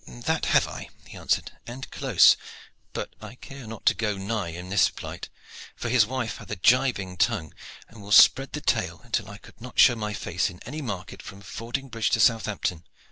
"That have I," he answered, "and close; but I care not to go nigh him in this plight, for his wife hath a gibing tongue, and will spread the tale until I could not show my face in any market from Fordingbridge to Southampton.